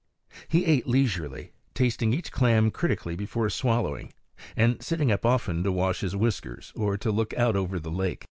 He ate leisurely, tasting each clam critically before swallowing, and sitting up often to wash his whiskers or to look out over the lake.